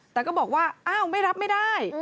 แต่ก็บอกว่าอ้าวไม่รับไม่ได้